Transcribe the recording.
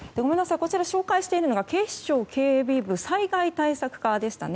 紹介しているのが警視庁警備部防災対策課でしたね。